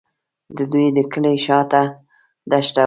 د دوی د کلي شاته دښته وه.